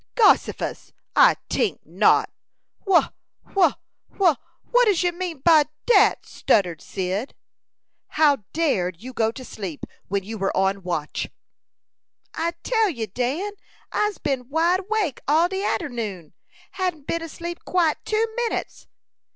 "Gossifus! I tink not. Wha wha wha what does you mean by dat?" stuttered Cyd. "How dared you go to sleep when you were on watch?" "I tell you, Dan, I'se been wide awake all de arternoon. Hadn't been asleep quite two minutes."